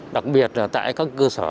đặc biệt là tại các cơ sở